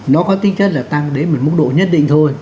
nó có tính chất là tăng đến một mức độ nhất định thôi